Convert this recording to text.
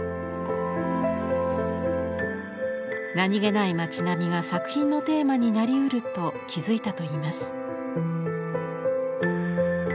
何気ない町並みが作品のテーマになりうると気付いたといいます。